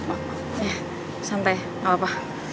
ya santai ga apa apa